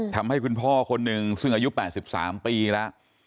ทำให้คุณพ่อคนหนึ่งซึ่งอายุ๘๓ปีแล้ว